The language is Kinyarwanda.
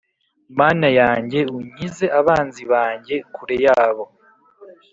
Mana yanjye unkize abanzi banjye kure yabo